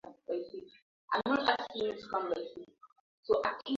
ambacho kazi yake kuu waliyopewa ilikuwa ni kulisuka upya kimafunzo